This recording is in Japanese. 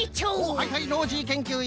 はいはいノージーけんきゅういん。